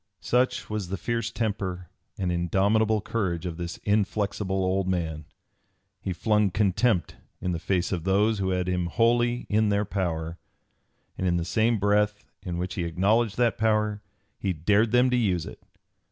Such was the fierce temper and indomitable courage of this inflexible old man! He flung contempt in the face of those who had him wholly in their power, and in the same breath in which he acknowledged that power he dared them to use it.